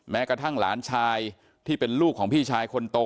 แม้กระทั่งหลานชายที่เป็นลูกของพี่ชายคนโต